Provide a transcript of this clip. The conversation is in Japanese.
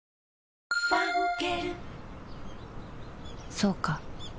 そうか